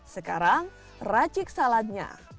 sekarang racik saladnya